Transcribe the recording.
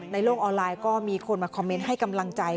โลกออนไลน์ก็มีคนมาคอมเมนต์ให้กำลังใจ